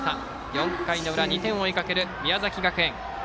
４回の裏、２点を追いかける宮崎学園。